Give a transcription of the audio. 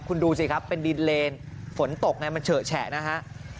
คุณดูสิครับเป็นดินเลนฝนตกไงมันเฉอะแฉะนะฮะ